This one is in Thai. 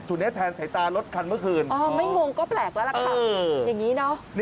นี้แทนสายตารถคันเมื่อคืนไม่งงก็แปลกแล้วล่ะค่ะอย่างนี้เนอะ